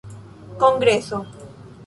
kongreso